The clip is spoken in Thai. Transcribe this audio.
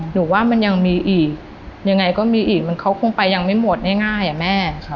หนูว่ามันยังมีอีกยังไงก็มีอีกมันเขาคงไปยังไม่หมดง่ายอะแม่